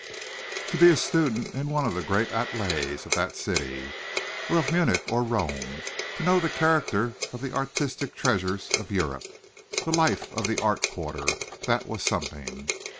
To be a student in any one of the great ateliers of that city! Or of Munich or Rome, to know the character of the artistic treasures of Europe the life of the Art quarter that was something.